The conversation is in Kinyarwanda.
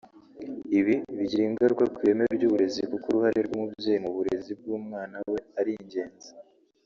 Ibi bigira ingaruka ku ireme ry’uburezi kuko uruhare rw’umubyeyi mu burezi bw’umwana we ari ingenzi